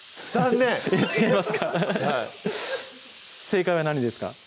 正解は何ですか？